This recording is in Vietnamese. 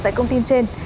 tại công ty trên